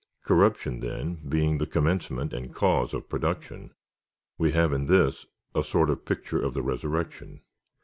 Corruption, then, being the commencement and cause of production, we have in this a sort of picture of the resurrection.